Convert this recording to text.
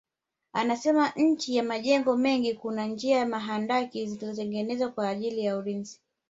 Anasema chini ya majengo mengi kuna njia za mahandaki zilizotengenezwa kwa ajili ya ulinzi